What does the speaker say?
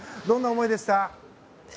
どんな思いでした？